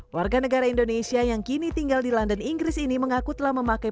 warga negara indonesia yang kini tinggal di london inggris ini mengaku telah memakai